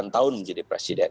delapan tahun menjadi presiden